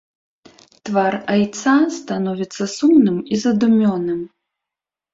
Твар айца становіцца сумным і задумёным.